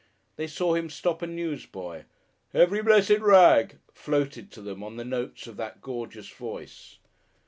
They saw him stop a newsboy. "Every blessed rag," floated to them on the notes of that gorgeous voice.